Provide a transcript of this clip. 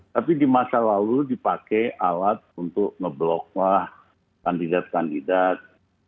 tapi di masa lalu dipakai alat untuk ngebloklah kandidat kandidat